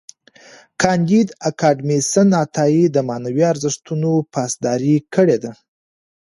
کانديد اکاډميسن عطایي د معنوي ارزښتونو پاسداري کړې ده.